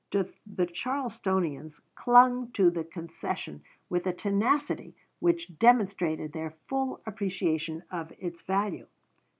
The Charlestonians clung to the concession with a tenacity which demonstrated their full appreciation of its value.